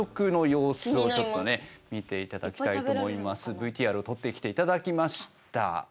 ＶＴＲを撮ってきていただきました。